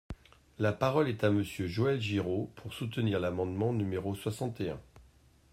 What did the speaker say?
La parole est à Monsieur Joël Giraud, pour soutenir l’amendement numéro soixante et un.